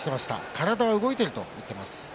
体は動いていると言っています。